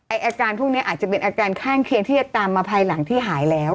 อาการพวกนี้อาจจะเป็นอาการข้างเคียงที่จะตามมาภายหลังที่หายแล้ว